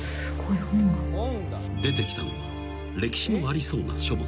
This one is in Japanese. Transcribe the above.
［出てきたのは歴史のありそうな書物］